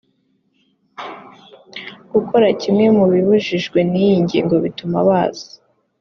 gukora kimwe mu bibujijwe n iyi ngingo bituma baza